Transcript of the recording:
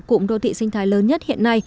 cụm đô thị sinh thái lớn nhất hiện nay